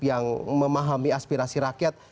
yang memahami aspirasi rakyat